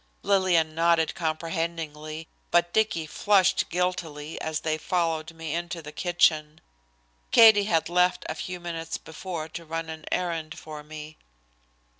Lillian nodded comprehendingly, but Dicky flushed guiltily as they followed me into the kitchen. Katie had left a few minutes before to run an errand for me.